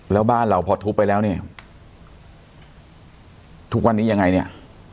แล้วบ้านเราพอทุบไปแล้วเนี่ยทุกวันนี้ยังไงเนี่ย